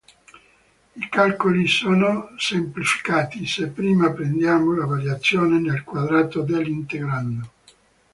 I calcoli sono semplificati, se prima prendiamo la variazione del quadrato dell'integrando.